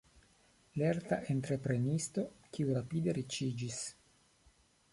Lerta entreprenisto, kiu rapide riĉiĝis.